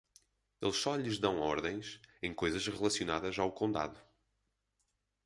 Eles só lhes dão ordens em coisas relacionadas ao condado.